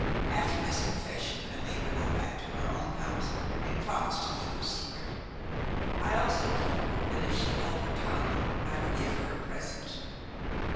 After this confession I made her go back to her own house and promised to keep her secret. I also told her that if she held her tongue I would give her a present.